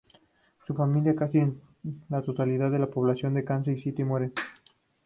Su familia y casi la totalidad de la población de Kansas City mueren.